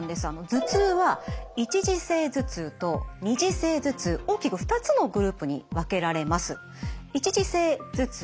頭痛は一次性頭痛と二次性頭痛大きく２つのグループに分けられます。